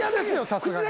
さすがに。